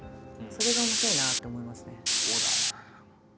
それが面白いなって思いますね。